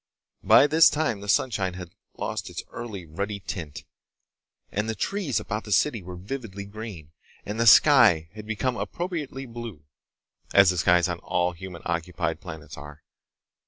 By this time the sunshine had lost its early ruddy tint, and the trees about the city were vividly green, and the sky had become appropriately blue—as the skies on all human occupied planets are.